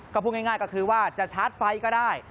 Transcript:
ก็พูดง่ายก็คือว่าจะชาร์จไฟก็ได้